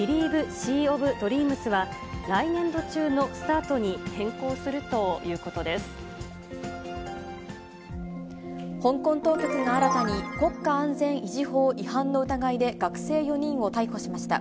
シー・オブ・ドリームスは、来年度中のスタートに変更すると香港当局が新たに、国家安全維持法違反の疑いで学生４人を逮捕しました。